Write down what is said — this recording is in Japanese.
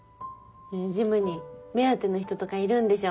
ジムに目当ての人とかいるんでしょ？